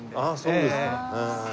そうですか。